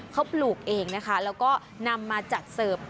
เขาปลูกเองนะคะแล้วก็นำมาจัดเสิร์ฟ